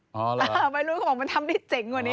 อ๋อหรอไม่รู้ว่ามันทำได้เจ๋งกว่านี้อ๋อ